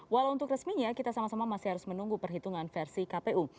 walau untuk resminya kita sama sama masih harus menunggu perhitungan versi kpu